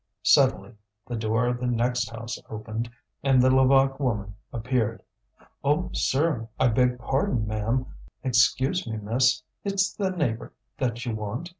Suddenly the door of the next house opened, and the Levaque woman appeared. "Oh, sir! I beg pardon, ma'am. Excuse me, miss. It's the neighbour that you want?